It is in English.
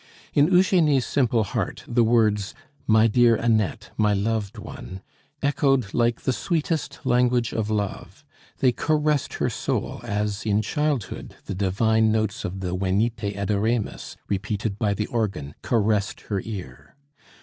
In Eugenie's simple heart the words, "My dear Annette, my loved one," echoed like the sweetest language of love; they caressed her soul as, in childhood, the divine notes of the Venite adoremus, repeated by the organ, caressed her ear.